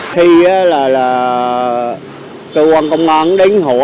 khi đó là cơ quan công an đến hộ